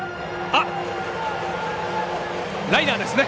ライナーですね。